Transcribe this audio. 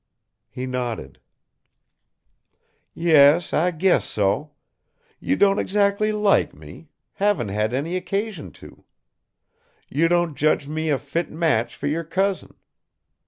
He nodded. "Yes, I guess so. You don't exactly like me; haven't had any occasion to! You don't judge me a fit match for your cousin.